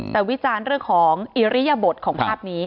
แต่วิจารณ์เรื่องของอิริยบทของภาพนี้